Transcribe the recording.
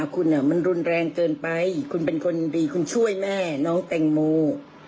คุณมันรุนแรงเกินไปคุณเป็นคนดีคุณช่วยแม่น้องแตงโม